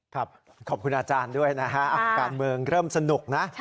ขอบคุณอาจารย์ด้วยนะฮะการเมืองเริ่มสนุกนะ